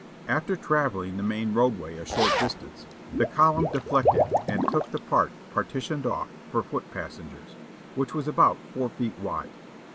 After traveling the main roadway a short distance, the column deflected and took the part partitioned off for foot passengers, which was about four feet wide.